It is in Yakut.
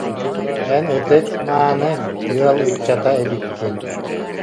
Эн ытык, мааны ыал ыччата эбиккин